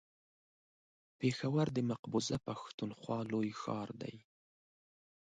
پېښور د مقبوضه پښتونخوا لوی ښار دی.